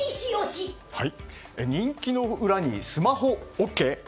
人気の裏にスマホＯＫ？